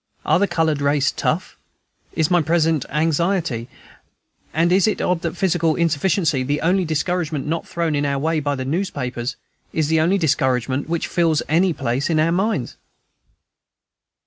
Are the colored race tough? is my present anxiety; and it is odd that physical insufficiency, the only discouragement not thrown in our way by the newspapers, is the only discouragement which finds any place in our minds.